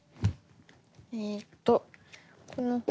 えっとこの本。